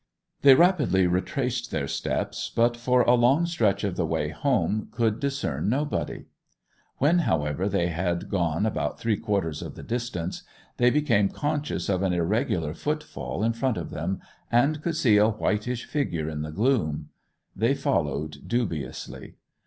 They rapidly retraced their steps; but for a long stretch of the way home could discern nobody. When, however, they had gone about three quarters of the distance, they became conscious of an irregular footfall in front of them, and could see a whitish figure in the gloom. They followed dubiously.